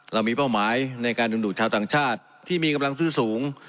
เรามีเป้าหมายในการดึงดูดชาวต่างชาติที่มีกำลังซื้อสูง